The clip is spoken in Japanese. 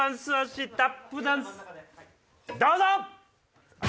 どうぞ！